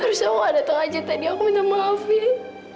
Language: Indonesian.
harusnya allah datang aja tadi aku minta maaf evita